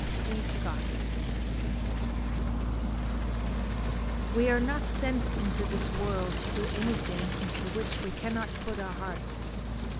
F. G. Scott We are not sent into this world to do anything into which we cannot put our hearts.